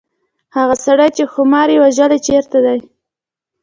هغه سړی چې ښامار یې وژلی چيرته دی.